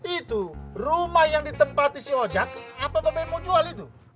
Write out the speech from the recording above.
itu rumah yang ditempati si ojak apa mbak be mau jual itu